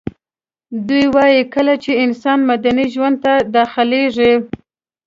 دوی وايي کله چي انسان مدني ژوند ته داخليږي